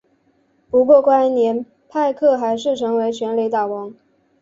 不过该年派克还是成为全垒打王。